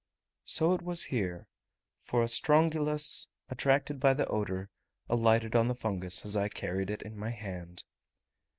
So was it here; for a Strongylus, attracted by the odour, alighted on the fungus as I carried it in my hand.